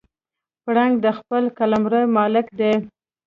پړانګ د خپل قلمرو مالک دی.